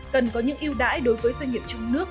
cần có những yêu đãi đối với doanh nghiệp trong nước